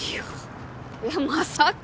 いやまさか！